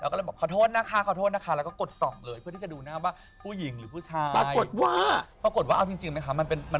เราก็เลยบอกขอโทษนะคะขอโทษนะคะแล้วก็กดส่องเลย